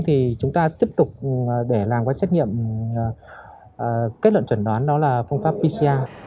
thì chúng ta tiếp tục để làm cái xét nghiệm kết luận chuẩn đoán đó là phong pháp pcr